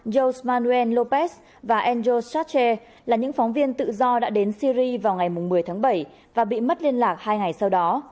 joe manuel lopez và angel sarcher là những phóng viên tự do đã đến syri vào ngày một mươi tháng bảy và bị mất liên lạc hai ngày sau đó